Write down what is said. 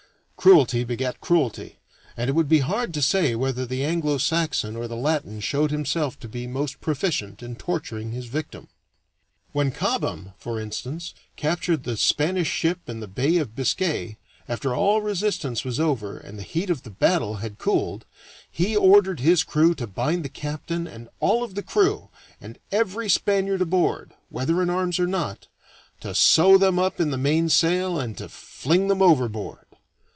Cruelty begat cruelty, and it would be hard to say whether the Anglo Saxon or the Latin showed himself to be most proficient in torturing his victim. When Cobham, for instance, captured the Spanish ship in the Bay of Biscay, after all resistance was over and the heat of the battle had cooled, he ordered his crew to bind the captain and all of the crew and every Spaniard aboard whether in arms or not to sew them up in the mainsail and to fling them overboard.